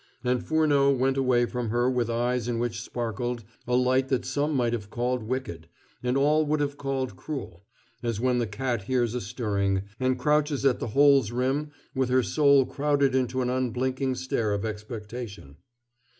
And Furneaux went away from her with eyes in which sparkled a light that some might have called wicked, and all would have called cruel, as when the cat hears a stirring, and crouches at the hole's rim with her soul crowded into an unblinking stare of expectation.